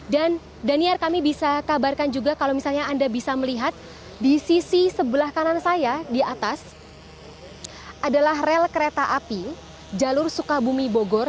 dan dhaniar kami bisa kabarkan juga kalau misalnya anda bisa melihat di sisi sebelah kanan saya di atas adalah rel kereta api jalur sukabumi bogor